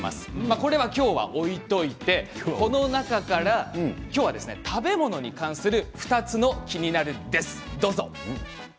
これは今日は置いておいてこの中から食べ物に関する２つの「キニナル」です。